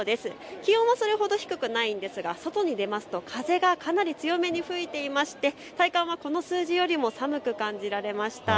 気温はそれほど低くないですが外に出ますと風がかなり強めに吹いていまして体感はこの数字よりも寒く感じられました。